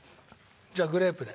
じゃあグレープで。